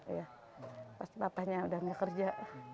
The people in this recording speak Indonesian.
iya pas bapaknya udah ngekerja